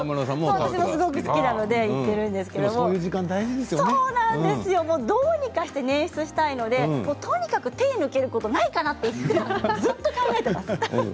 私もすごく好きなので行っているんですけれどもどうにかして時間を捻出したいのでとにかく手を抜けることはないかなとずっと考えています。